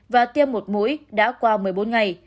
và tiêm một mũi đã qua một mươi bốn ngày